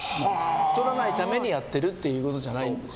太らないためにやってるということじゃないんです。